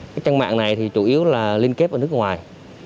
các trang mạng này thì chủ yếu là liên kết với nước ngoài